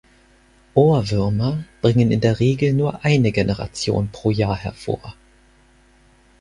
Ohrwürmer bringen in der Regel nur eine Generation pro Jahr hervor.